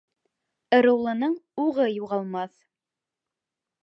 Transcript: Ырыулының уғы юғалмаҫ.